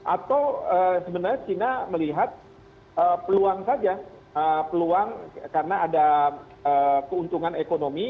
atau sebenarnya china melihat peluang saja peluang karena ada keuntungan ekonomi